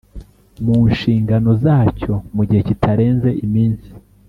Mu nshingano zacyo mu gihe kitarenze iminsi